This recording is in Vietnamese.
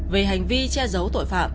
về hành vi che giấu tội phạm